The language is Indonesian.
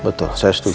betul saya setuju